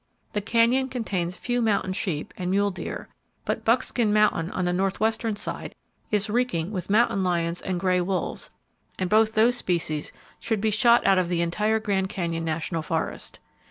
The Canyon contains a few mountain sheep, and mule deer, but Buckskin Mountain, on the northwestern side, is reeking with mountain lions and gray wolves, and both those species should be shot out of the entire Grand Canyon National Forest.